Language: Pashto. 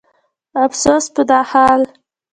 افسوس په دا حال